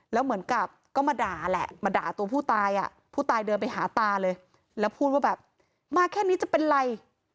แล้วเหมือนกับก็มาด่าแหละมาด่าตัวผู้ตายอ่ะผู้ตายเดินไปหาตาเลยแล้วพูดว่าแบบมาแค่นี้จะเป็นไร